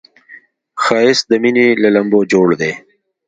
ښایست د مینې له لمبو جوړ دی